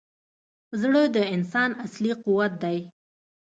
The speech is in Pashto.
زړه د انسان اصلي قوت دی.